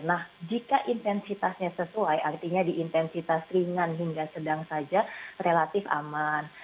nah jika intensitasnya sesuai artinya di intensitas ringan hingga sedang saja relatif aman